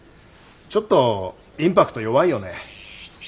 ちょっとインパクト弱いよね。